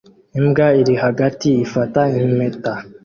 Imbwa iri hagati ifata impeta